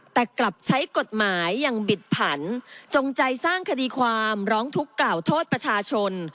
แต่กลับใช้กฎหมายอย่างบิดผันจงใจสร้างคดีความร้องทุกข์กล่าวโทษประชาชน